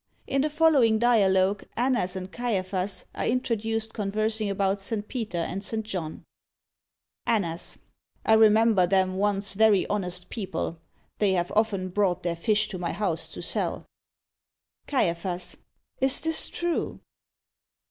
In the following dialogue Annas and Caiaphas are introduced conversing about St. Peter and St. John: ANNAS. I remember them once very honest people. They have often brought their fish to my house to sell. CAIAPHAS. Is this true?